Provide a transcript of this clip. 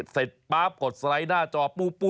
เสร็จป๊าบกดสไลด์หน้าจอปุ๊บ